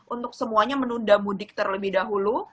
untuk semuanya menunda mudik terlebih dahulu